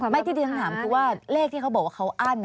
ที่ที่ฉันถามคือว่าเลขที่เขาบอกว่าเขาอั้น